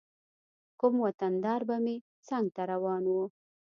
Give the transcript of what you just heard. کوم وطن دار به مې څنګ ته روان و.